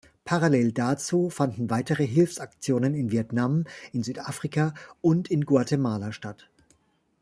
Parallel dazu fanden weitere Hilfsaktionen in Vietnam, in Südafrika und in Guatemala statt.